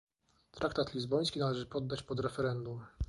traktat lizboński należy poddać pod referendum